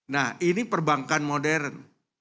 nah ini perbankan modern